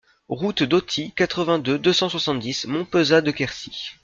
Route d'Auty, quatre-vingt-deux, deux cent soixante-dix Montpezat-de-Quercy